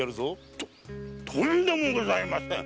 とんでもございません。